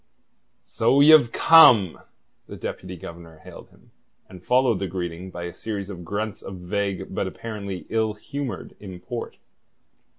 "So ye've come," the Deputy Governor hailed him, and followed the greeting by a series of grunts of vague but apparently ill humoured import.